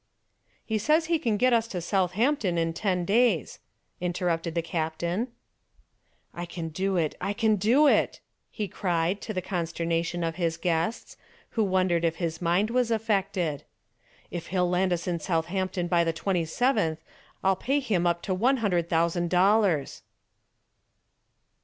"He says he can get us to Southampton in ten days," interrupted the captain. "I can do it, I can do it," he cried, to the consternation of his guests, who wondered if his mind were affected. "If he'll land us in Southampton by the 27th, I'll pay him up to one hundred thousand dollars."